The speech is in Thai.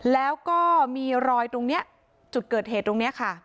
แล้วก็มีรอยตรงนี้จุดเกิดเหตุตรงนี้ค่ะ